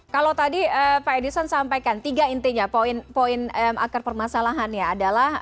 kalau tadi pak edison sampaikan tiga intinya poin poin akar permasalahannya adalah